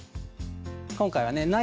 今回はね